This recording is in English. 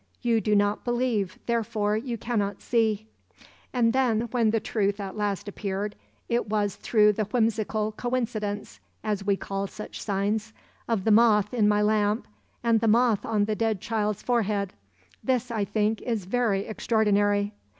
You do not believe, therefore you cannot see. "And then, when the truth at last appeared it was through the whimsical 'coincidence,' as we call such signs, of the moth in my lamp and the moth on the dead child's forehead. This, I think, is very extraordinary."